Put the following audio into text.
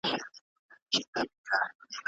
صلیبی جنګونه په همدې دوره کي پېښ سول.